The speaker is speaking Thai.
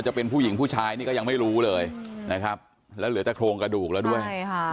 จะเป็นผู้หญิงผู้ชายนี่ก็ยังไม่รู้เลยนะครับแล้วเหลือแต่โครงกระดูกแล้วด้วยใช่ค่ะ